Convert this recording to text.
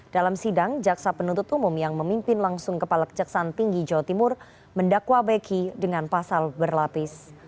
dalam sidang jaksa penuntut umum yang memimpin langsung kepala kejaksaan tinggi jawa timur mendakwa beki dengan pasal berlapis